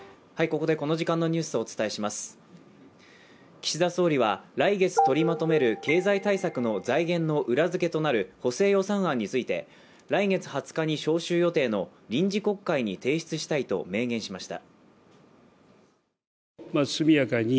岸田総理は来月とりまとめる経済対策の財源の裏付けとなる補正予算案について来月２０日の召集予定の臨時国会に提出したいと明言しました。